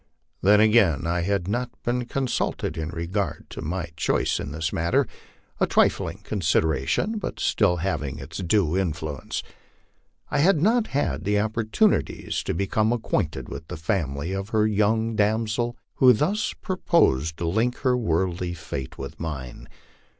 Then, again, I had not been consulted in regard to my choice in this matter a trifling consideration, but still having its due influ ence. I had not had opportunities to become acquainted with the family of the young damsel who thus proposed to link her worldly fate with mine.